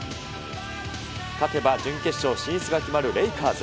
勝てば準決勝進出が決まるレイカーズ。